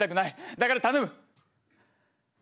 だから頼む！